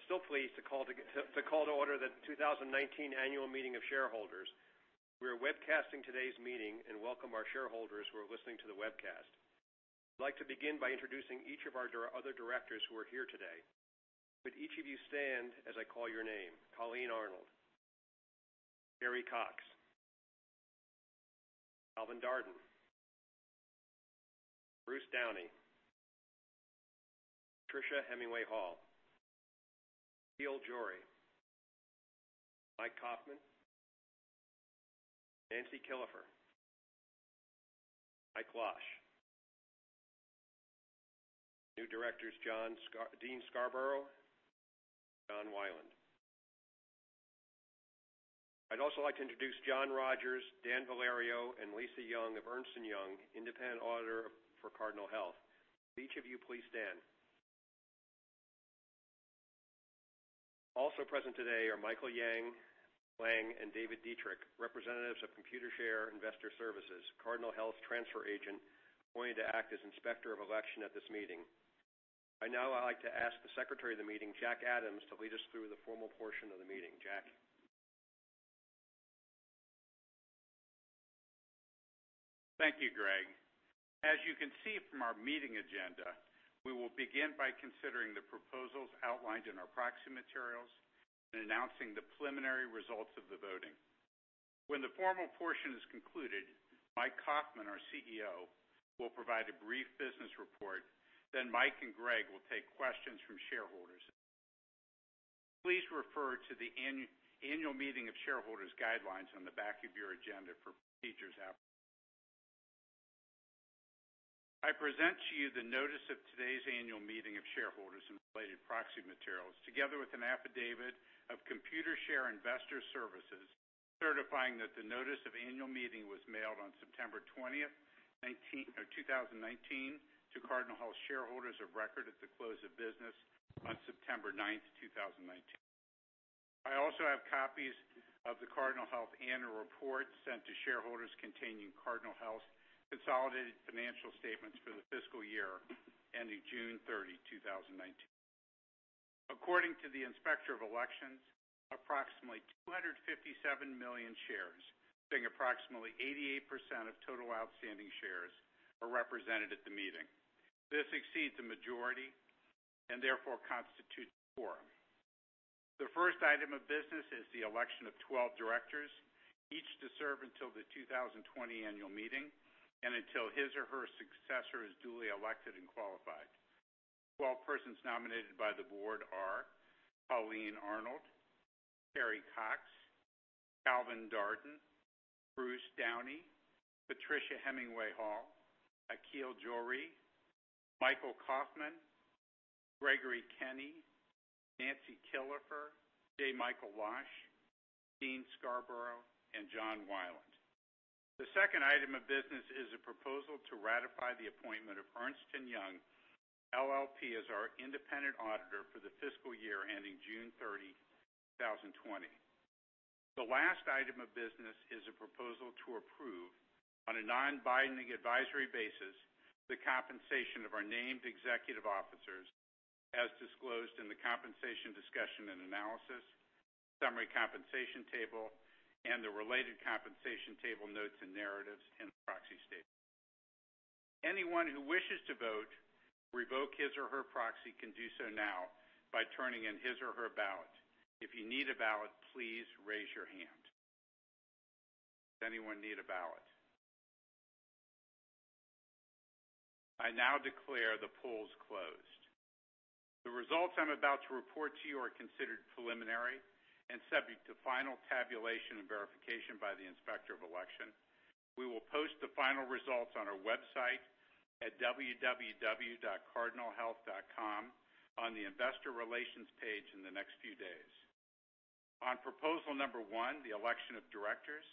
I'm still pleased to call to order the 2019 annual meeting of shareholders. We are webcasting today's meeting and welcome our shareholders who are listening to the webcast. I'd like to begin by introducing each of our other directors who are here today. Could each of you stand as I call your name? Colleen Arnold, Carrie Cox, Calvin Darden, Bruce Downey, Patricia Hemingway Hall, Akhil Johri, Mike Kaufmann, Nancy Killefer, Mike Losh. New directors, Dean Scarborough, John Weiland. I'd also like to introduce John Rodgers, Dan Valerio, and Lisa Young of Ernst & Young, independent auditor for Cardinal Health. Could each of you please stand? Also present today are Michael Yang Lang and David Dietrich, representatives of Computershare Investor Services, Cardinal Health's transfer agent appointed to act as inspector of election at this meeting. Right now, I'd like to ask the Secretary of the Meeting, Jack Adams, to lead us through the formal portion of the meeting. Jack? Thank you, Greg. As you can see from our meeting agenda, we will begin by considering the proposals outlined in our proxy materials and announcing the preliminary results of the voting. When the formal portion is concluded, Mike Kaufmann, our CEO, will provide a brief business report. Mike and Greg will take questions from shareholders. Please refer to the annual meeting of shareholders' guidelines on the back of your agenda for procedures after. I present to you the notice of today's annual meeting of shareholders and related proxy materials, together with an affidavit of Computershare Investor Services, certifying that the notice of annual meeting was mailed on September 20th, 2019 to Cardinal Health shareholders of record at the close of business on September 9th, 2019. I also have copies of the Cardinal Health annual report sent to shareholders containing Cardinal Health's consolidated financial statements for the fiscal year ending June 30, 2019. According to the Inspector of Elections, approximately 257 million shares, being approximately 88% of total outstanding shares, are represented at the meeting. This exceeds the majority, and therefore constitutes a quorum. The first item of business is the election of 12 directors, each to serve until the 2020 annual meeting and until his or her successor is duly elected and qualified. The 12 persons nominated by the board are Colleen Arnold, Carrie Cox, Calvin Darden, Bruce Downey, Patricia Hemingway Hall, Akhil Johri, Michael Kaufmann, Gregory Kenny, Nancy Killefer, J. Michael Losh, Dean Scarborough, and John Weiland. The second item of business is a proposal to ratify the appointment of Ernst & Young LLP as our independent auditor for the fiscal year ending June 30, 2020. The last item of business is a proposal to approve, on a non-binding advisory basis, the compensation of our named executive officers as disclosed in the compensation discussion and analysis, summary compensation table, and the related compensation table notes and narratives in the proxy statement. Anyone who wishes to vote or revoke his or her proxy can do so now by turning in his or her ballot. If you need a ballot, please raise your hand. Does anyone need a ballot? I now declare the polls closed. The results I'm about to report to you are considered preliminary and subject to final tabulation and verification by the Inspector of Election. We will post the final results on our website at www.cardinalhealth.com on the Investor Relations page in the next few days. On proposal number 1, the election of directors,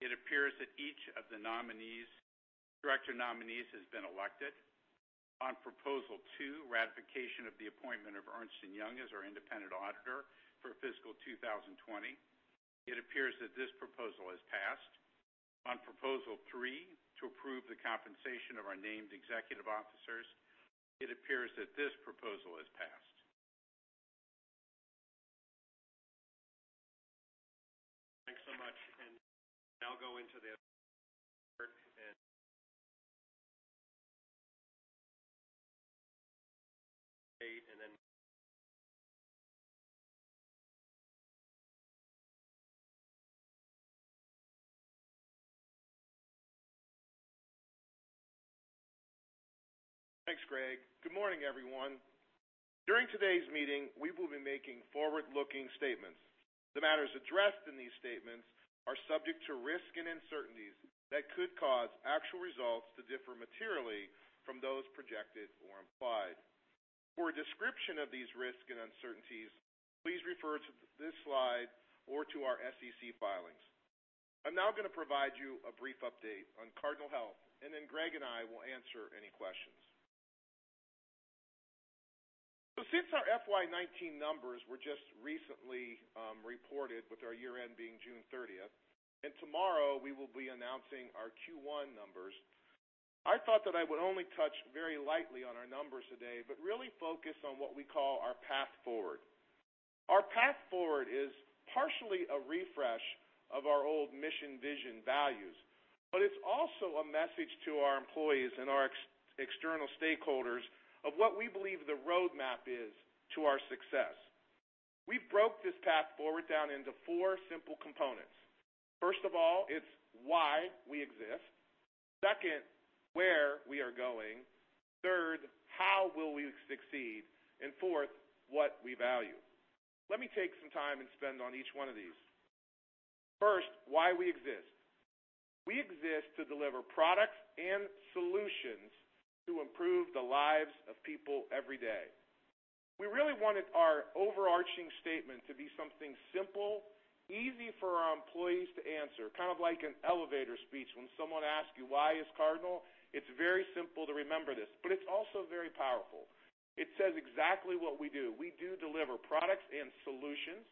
it appears that each of the director nominees has been elected. On proposal 2, ratification of the appointment of Ernst & Young as our independent auditor for fiscal 2020, it appears that this proposal has passed. On proposal 3, to approve the compensation of our named executive officers, it appears that this proposal has passed. Thanks so much, and now go into the. Thanks, Greg. Good morning, everyone. During today's meeting, we will be making forward-looking statements. The matters addressed in these statements are subject to risks and uncertainties that could cause actual results to differ materially from those projected or implied. For a description of these risks and uncertainties, please refer to this slide or to our SEC filings. I'm now going to provide you a brief update on Cardinal Health, and then Greg and I will answer any questions. Since our FY'19 numbers were just recently reported with our year-end being June 30th, and tomorrow we will be announcing our Q1 numbers. I thought that I would only touch very lightly on our numbers today, but really focus on what we call our path forward. Our path forward is partially a refresh of our old mission, vision, values, but it's also a message to our employees and our external stakeholders of what we believe the roadmap is to our success. We've broke this path forward down into four simple components. First of all, it's why we exist. Second, where we are going. Third, how will we succeed? Fourth, what we value. Let me take some time and spend on each one of these. First, why we exist. We exist to deliver products and solutions to improve the lives of people every day. We really wanted our overarching statement to be something simple, easy for our employees to answer, kind of like an elevator speech when someone asks you, "Why is Cardinal?" It's very simple to remember this, but it's also very powerful. It says exactly what we do. We do deliver products and solutions.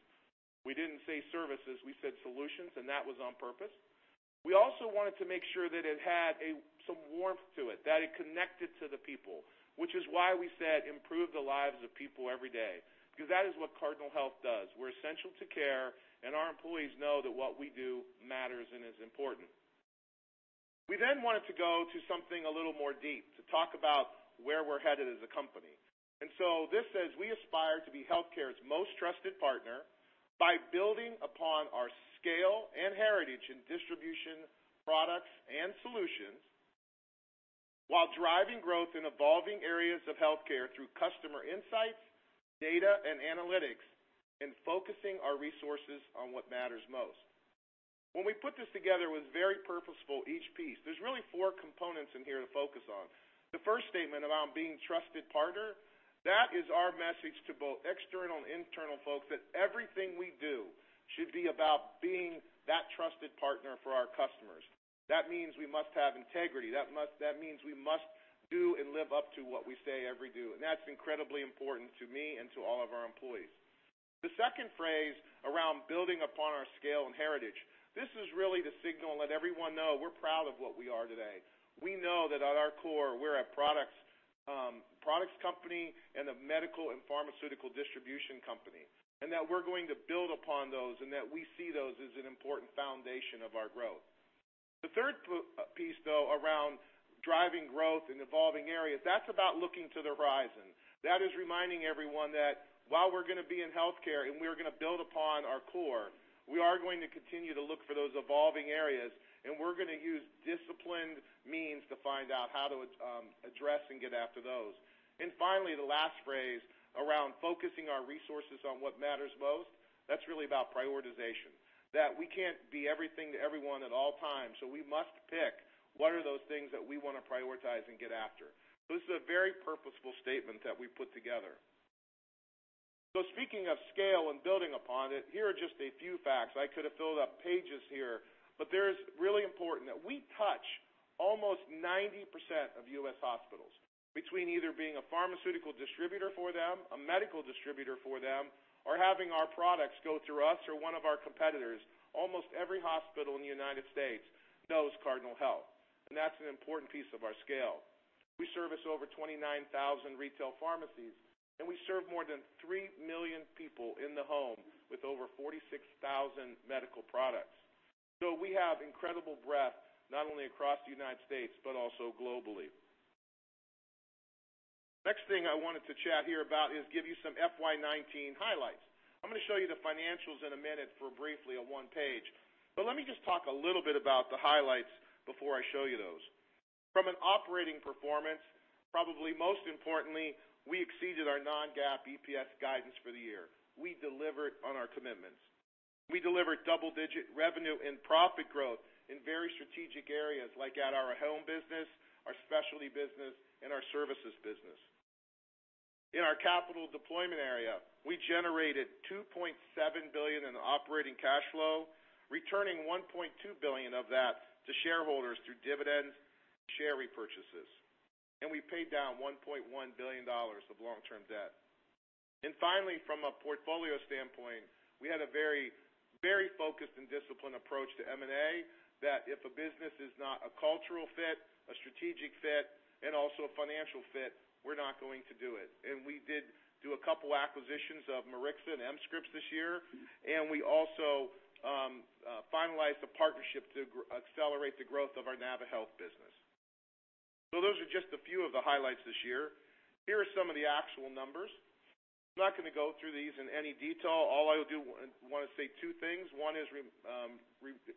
We didn't say services, we said solutions, and that was on purpose. We also wanted to make sure that it had some warmth to it, that it connected to the people, which is why we said improve the lives of people every day, because that is what Cardinal Health does. We're essential to care, and our employees know that what we do matters and is important. We wanted to go to something a little more deep, to talk about where we're headed as a company. This says, we aspire to be healthcare's most trusted partner by building upon our scale and heritage in distribution, products, and solutions, while driving growth in evolving areas of healthcare through customer insights, data, and analytics, and focusing our resources on what matters most. When we put this together, it was very purposeful, each piece. There's really four components in here to focus on. The first statement around being trusted partner, that is our message to both external and internal folks that everything we do should be about being that trusted partner for our customers. That means we must have integrity. That means we must do and live up to what we say every day. That's incredibly important to me and to all of our employees. The second phrase around building upon our scale and heritage. This is really to signal and let everyone know we're proud of what we are today. We know that at our core, we're a products company and a medical and pharmaceutical distribution company, and that we're going to build upon those and that we see those as an important foundation of our growth. The third piece, though, around driving growth in evolving areas, that's about looking to the horizon. That is reminding everyone that while we're going to be in healthcare and we're going to build upon our core, we are going to continue to look for those evolving areas, and we're going to use disciplined means to find out how to address and get after those. Finally, the last phrase around focusing our resources on what matters most, that's really about prioritization. We can't be everything to everyone at all times. We must pick what are those things that we want to prioritize and get after. This is a very purposeful statement that we put together. Speaking of scale and building upon it, here are just a few facts. I could have filled up pages here. There is really important that we touch almost 90% of U.S. hospitals between either being a pharmaceutical distributor for them, a medical distributor for them, or having our products go through us or one of our competitors. Almost every hospital in the United States knows Cardinal Health. That's an important piece of our scale. We service over 29,000 retail pharmacies. We serve more than 3 million people in the home with over 46,000 medical products. We have incredible breadth, not only across the United States, but also globally. Next thing I wanted to chat here about is give you some FY'19 highlights. I'm going to show you the financials in a minute for briefly a one-page. Let me just talk a little bit about the highlights before I show you those. From an operating performance, probably most importantly, we exceeded our non-GAAP EPS guidance for the year. We delivered on our commitments. We delivered double-digit revenue and profit growth in very strategic areas like at our home business, our specialty business, and our services business. In our capital deployment area, we generated $2.7 billion in operating cash flow, returning $1.2 billion of that to shareholders through dividends, share repurchases. We paid down $1.1 billion of long-term debt. From a portfolio standpoint, we had a very focused and disciplined approach to M&A that if a business is not a cultural fit, a strategic fit, and also a financial fit, we are not going to do it. We did do a couple acquisitions of Mirixa and mscripts this year, and we also finalized a partnership to accelerate the growth of our naviHealth business. Those are just a few of the highlights this year. Here are some of the actual numbers. I am not going to go through these in any detail. I want to say two things. One is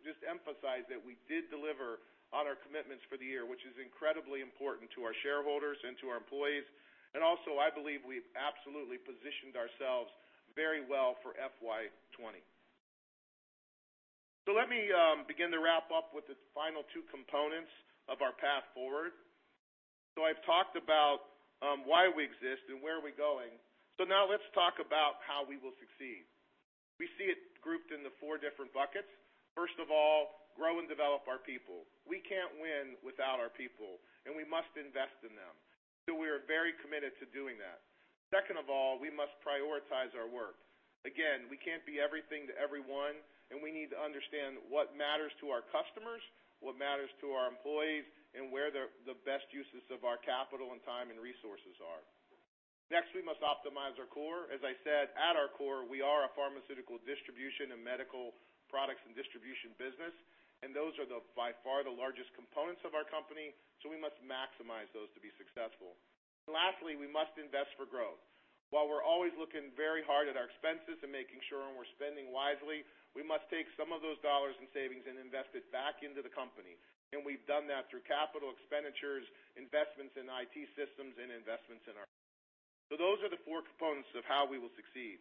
just emphasize that we did deliver on our commitments for the year, which is incredibly important to our shareholders and to our employees. Also, I believe we have absolutely positioned ourselves very well for FY 2020. Let me begin to wrap up with the final two components of our path forward. I've talked about why we exist and where are we going. Now let's talk about how we will succeed. We see it grouped into four different buckets. First of all, grow and develop our people. We can't win without our people, and we must invest in them. We are very committed to doing that. Second of all, we must prioritize our work. Again, we can't be everything to everyone, and we need to understand what matters to our customers, what matters to our employees, and where the best uses of our capital and time and resources are. Next, we must optimize our core. As I said, at our core, we are a pharmaceutical distribution and medical products and distribution business. Those are by far the largest components of our company, we must maximize those to be successful. Lastly, we must invest for growth. While we're always looking very hard at our expenses and making sure when we're spending wisely, we must take some of those dollars in savings and invest it back into the company. We've done that through capital expenditures, investments in IT systems. Those are the four components of how we will succeed.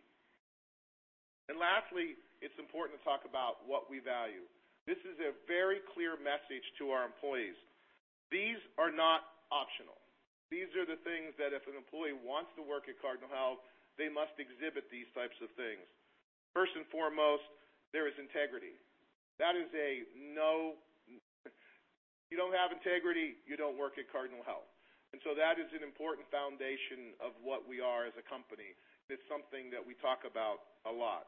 Lastly, it's important to talk about what we value. This is a very clear message to our employees. These are not optional. These are the things that if an employee wants to work at Cardinal Health, they must exhibit these types of things. First and foremost, there is integrity. If you don't have integrity, you don't work at Cardinal Health. That is an important foundation of what we are as a company. It's something that we talk about a lot.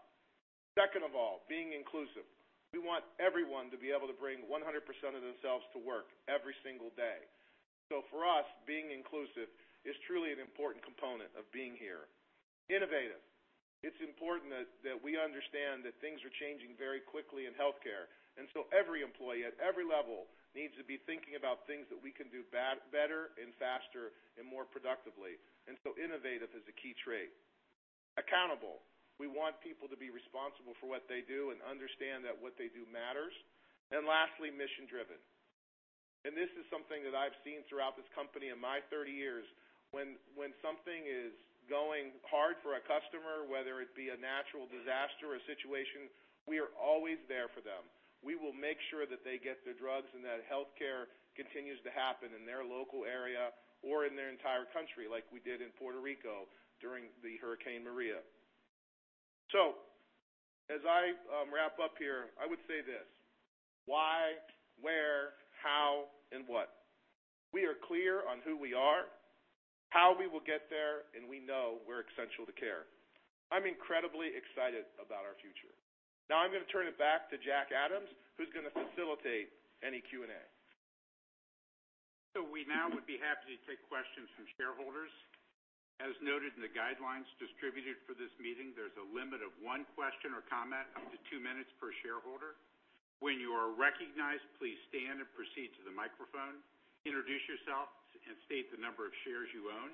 Second of all, being inclusive. We want everyone to be able to bring 100% of themselves to work every single day. For us, being inclusive is truly an important component of being here. Innovative. It's important that we understand that things are changing very quickly in healthcare. Every employee at every level needs to be thinking about things that we can do better and faster and more productively. Innovative is a key trait. Accountable. We want people to be responsible for what they do and understand that what they do matters. Lastly, mission-driven. This is something that I've seen throughout this company in my 30 years. When something is going hard for a customer, whether it be a natural disaster or situation, we are always there for them. We will make sure that they get their drugs and that healthcare continues to happen in their local area or in their entire country, like we did in Puerto Rico during Hurricane Maria. As I wrap up here, I would say this, why, where, how, and what. We are clear on who we are, how we will get there, and we know we're essential to care. I'm incredibly excited about our future. I'm going to turn it back to Jack Adams, who's going to facilitate any Q&A. We now would be happy to take questions from shareholders. As noted in the guidelines distributed for this meeting, there's a limit of one question or comment up to two minutes per shareholder. When you are recognized, please stand and proceed to the microphone, introduce yourself, and state the number of shares you own.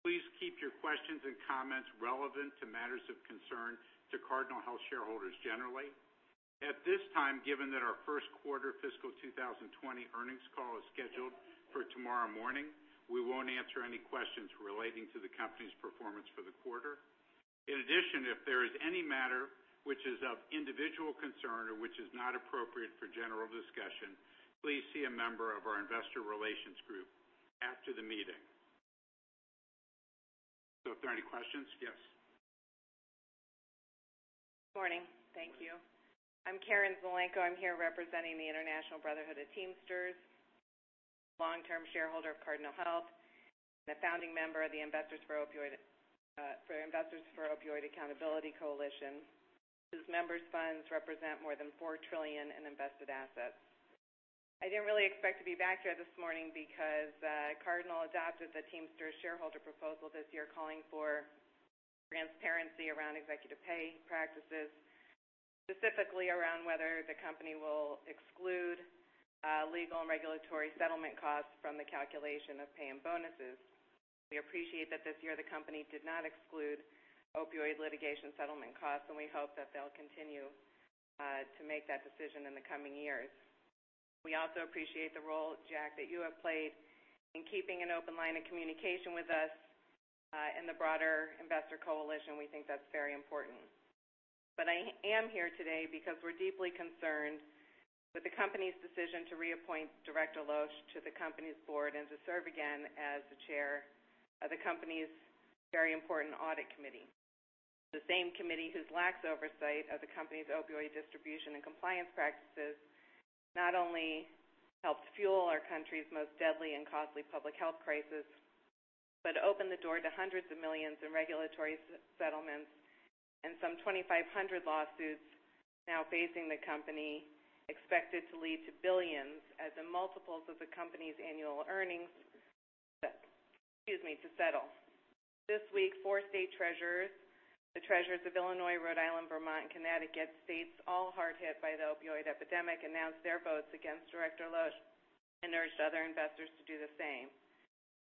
Please keep your questions and comments relevant to matters of concern to Cardinal Health shareholders generally. At this time, given that our first quarter fiscal 2020 earnings call is scheduled for tomorrow morning, we won't answer any questions relating to the company's performance for the quarter. In addition, if there is any matter which is of individual concern or which is not appropriate for general discussion, please see a member of our investor relations group after the meeting. If there are any questions, yes. Good morning. Thank you. I'm Karen Zulenko. I'm here representing the International Brotherhood of Teamsters, long-term shareholder of Cardinal Health, and a founding member of the Investors for Opioid Accountability Coalition, whose members' funds represent more than $4 trillion in invested assets. I didn't really expect to be back here this morning because Cardinal adopted the Teamsters shareholder proposal this year calling for transparency around executive pay practices, specifically around whether the company will exclude legal and regulatory settlement costs from the calculation of pay and bonuses. We appreciate that this year the company did not exclude opioid litigation settlement costs. We hope that they'll continue to make that decision in the coming years. We also appreciate the role, Jack, that you have played in keeping an open line of communication with us and the broader investor coalition. We think that's very important. I am here today because we're deeply concerned with the company's decision to reappoint Director Losh to the company's board and to serve again as the chair of the company's very important audit committee. The same committee whose lax oversight of the company's opioid distribution and compliance practices not only helped fuel our country's most deadly and costly public health crisis, but opened the door to $hundreds of millions in regulatory settlements and some 2,500 lawsuits now facing the company, expected to lead to $billions as in multiples of the company's annual earnings, excuse me, to settle. This week, four state treasurers, the treasurers of Illinois, Rhode Island, Vermont, and Connecticut, states all hard hit by the opioid epidemic, announced their votes against Director Losh and urged other investors to do the same.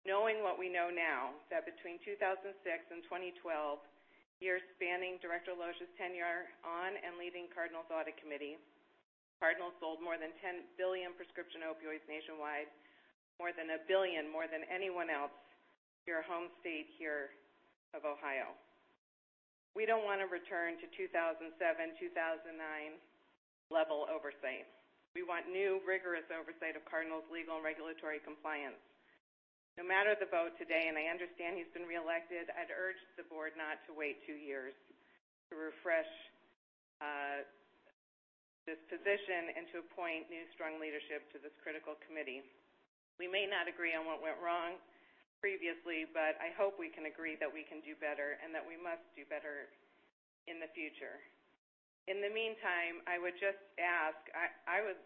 Knowing what we know now, that between 2006 and 2012, years spanning Director Losh's tenure on and leading Cardinal's Audit Committee, Cardinal sold more than 10 billion prescription opioids nationwide, more than a billion more than anyone else in your home state here of Ohio. We don't want to return to 2007, 2009 level oversight. We want new, rigorous oversight of Cardinal's legal and regulatory compliance. No matter the vote today, and I understand he's been reelected, I'd urge the board not to wait 2 years to refresh this position and to appoint new strong leadership to this critical committee. We may not agree on what went wrong previously, but I hope we can agree that we can do better and that we must do better in the future. In the meantime, I would just ask, I would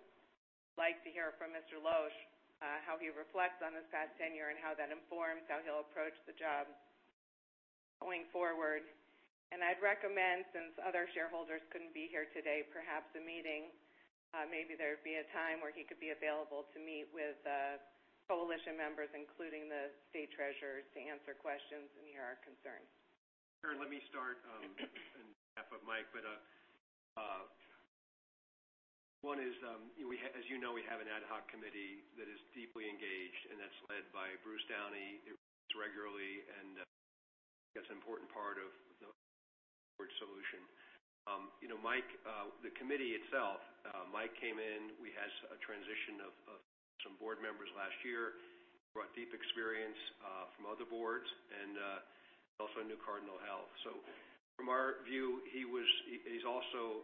like to hear from Mr. Losh how he reflects on his past tenure and how that informs how he'll approach the job going forward. I'd recommend, since other shareholders couldn't be here today, perhaps a meeting, maybe there'd be a time where he could be available to meet with coalition members, including the state treasurers, to answer questions and hear our concerns. Karen, let me start on behalf of Mike. One is, as you know, we have an ad hoc committee that is deeply engaged and that's led by Bruce Downey. The committee itself, Mike came in, we had a transition of some board members last year, brought deep experience from other boards and also knew Cardinal Health. From our view, he's also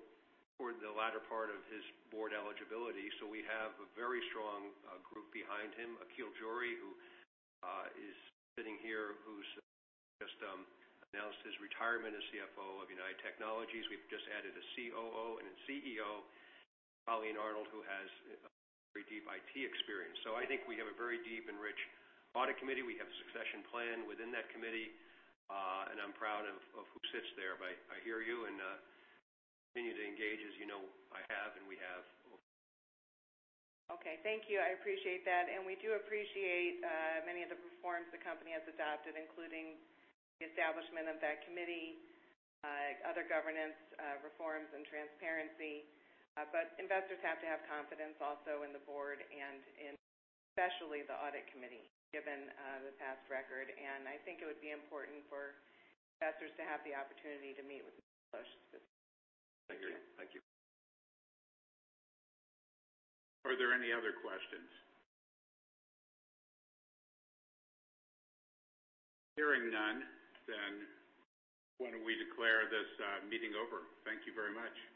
toward the latter part of his board eligibility, so we have a very strong group behind him. Akhil Johri, who is sitting here, who's just announced his retirement as CFO of United Technologies. We've just added a COO and a CEO, Colleen Arnold, who has very deep IT experience. I think we have a very deep and rich audit committee. We have a succession plan within that committee. I'm proud of who sits there. I hear you and continue to engage as you know I have, and we have. Okay. Thank you. I appreciate that. We do appreciate many of the reforms the company has adopted, including the establishment of that committee, other governance reforms, and transparency. Investors have to have confidence also in the board and in especially the audit committee, given the past record. I think it would be important for investors to have the opportunity to meet with Mr. Losh. Thank you. Are there any other questions? Hearing none, why don't we declare this meeting over? Thank you very much.